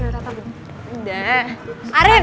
tidak ada tata belum